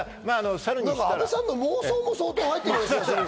阿部さんの妄想も相当入ってる気がする。